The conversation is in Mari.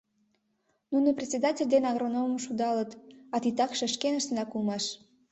Нуно председатель ден агрономым шудалыт, а титакше шкеныштынак улмаш.